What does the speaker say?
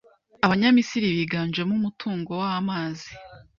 Abanyamisiri biganjemo umutungo w’amazi.